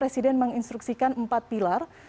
presiden menginstruksikan empat pilar